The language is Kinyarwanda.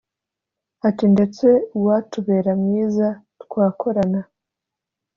Ati “Ndetse uwatubera mwiza twakorana